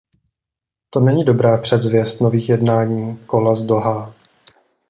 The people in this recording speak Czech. To není dobrá předzvěst nových jednání kola z Dohá.